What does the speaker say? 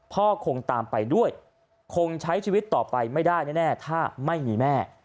คงตามไปด้วยคงใช้ชีวิตต่อไปไม่ได้แน่ถ้าไม่มีแม่